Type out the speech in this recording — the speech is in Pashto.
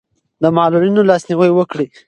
د معلولینو لاسنیوی وکړئ.